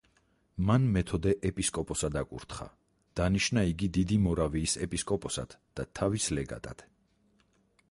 მან მეთოდე ეპისკოპოსად აკურთხა, დანიშნა იგი დიდი მორავიის ეპისკოპოსად და თავის ლეგატად.